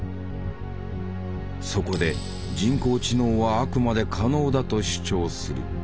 そこで人工知能はあくまで可能だと主張する。